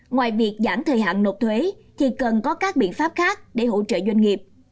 ngoài việc giảm thời hạn nộp thuế thì cần có các biện pháp khác để hỗ trợ doanh nghiệp